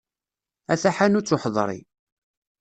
A taḥanut uḥeḍri.